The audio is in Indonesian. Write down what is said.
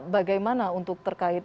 bagaimana untuk terkait